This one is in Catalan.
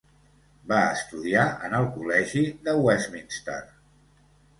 Va estudiar en el col·legi de Westminster.